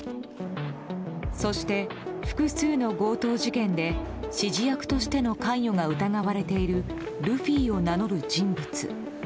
そして、複数の強盗事件で指示役としての関与が疑われているルフィを名乗る人物。